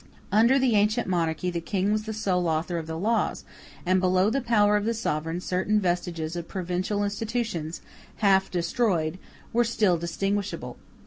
Under the ancient monarchy the King was the sole author of the laws, and below the power of the sovereign certain vestiges of provincial institutions, half destroyed, were still distinguishable.